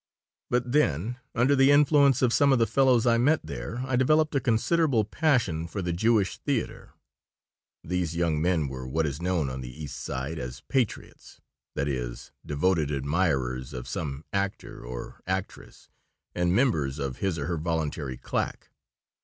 But then, under the influence of some of the fellows I met there, I developed a considerable passion for the Jewish theater. These young men were what is known on the East Side as "patriots," that is, devoted admirers of some actor or actress and members of his or her voluntary claque.